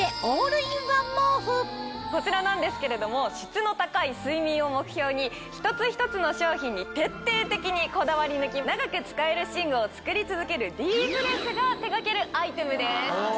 こちらなんですけれども質の高い睡眠を目標に一つ一つの商品に徹底的にこだわり抜き長く使える寝具を作り続けるディーブレスが手掛けるアイテムです。